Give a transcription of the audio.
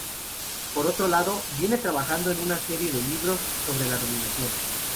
Por otro lado, viene trabajando en una serie de libros "Sobre la dominación".